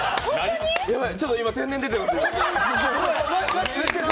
ちょっと今天然出てます。